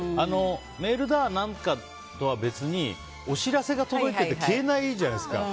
メールとは別にお知らせが届いていて消えないじゃないですか。